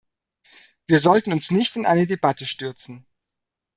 Wir sollten uns nicht in eine Debatte stürzen.